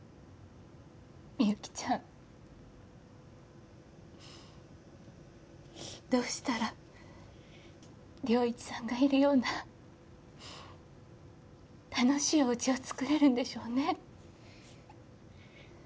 みゆきちゃんどうしたら良一さんがいるような楽しいおうちをつくれるんでしょうね